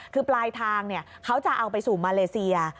คือปลายทางเขาจะเอาไปสู่มาเลเซีย